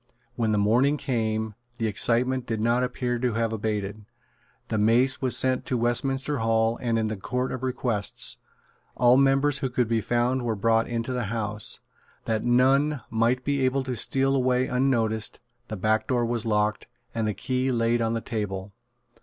When the morning came, the excitement did not appear to have abated. The mace was sent into Westminster Hall and into the Court of Requests. All members who could be found were brought into the House. That none might be able to steal away unnoticed, the back door was locked, and the key laid on the table.